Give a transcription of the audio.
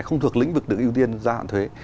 không thuộc lĩnh vực được ưu tiên gia hạn thuế